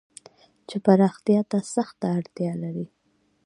چې پراختيا ته سخته اړتيا لري.